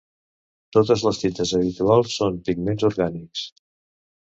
Totes les tintes habituals són pigments orgànics.